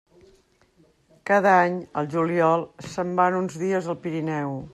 Cada any, al juliol, se'n van uns dies al Pirineu.